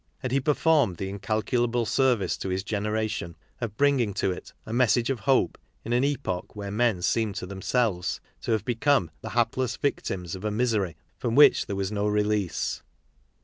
And he performed the incal culable service to his generation of bringing to it a message of hope in an epoch where men seemed to them selves to have become the hapless victims of a misery from which there was no release.